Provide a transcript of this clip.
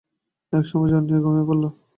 একসময় জ্বর নিয়ে ঘুমায়ে পড়ল।